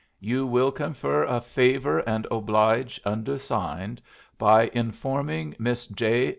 You will confer a favor and oblidge undersigned by Informing Miss J.